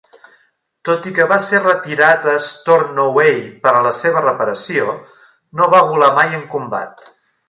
Tot i que va ser retirat a Stornoway per a la seva reparació, no va volar mai en combat.